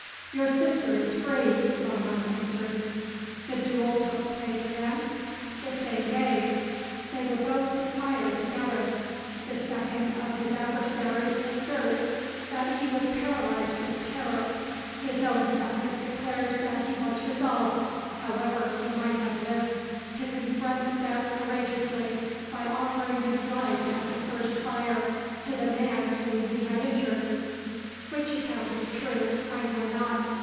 "Your sister is free," Lomaque answers. "The duel took place, then?" "The same day. They were both to fire together. The second of his adversary asserts that he was paralyzed with terror; his own second declares that he was resolved, however he might have lived, to confront death courageously by offering his life at the first fire to the man whom he had injured. Which account is true, I know not.